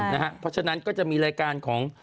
เพราะฉะนั้นก็จะมีรายการของ